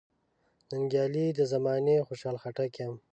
ننګیالی د زمانې خوشحال خټک یم .